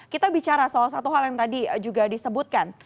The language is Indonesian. kita bicara soal satu hal yang tadi juga disebutkan